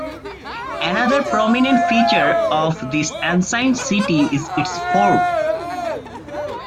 Another prominent feature of this ancient city is its fort.